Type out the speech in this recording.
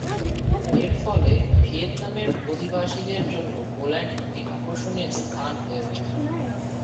এর ফলে, ভিয়েতনামের অভিবাসীদের জন্য পোল্যান্ড একটি আকর্ষণীয় স্থান হয়ে ওঠে।